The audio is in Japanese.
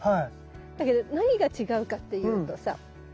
だけど何が違うかっていうとさ中身が違う。